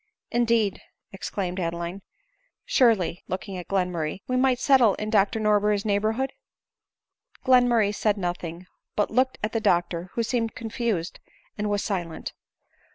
" Indeed !" exclaimed Adeline. " Surely," looking at Glenmurray, " we might settle in Dr Norberry's neighborhood ?"" Glenmurray said nothing, but looked at the doctor ; who seemed confused and was silent.